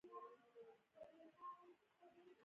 سمت پرستي مه کوئ